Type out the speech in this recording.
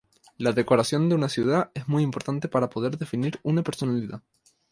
La decoración de una ciudad es muy importante para poder definir una personalidad.